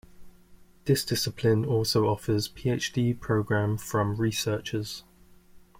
This discipline also offfers PhD program from researchers.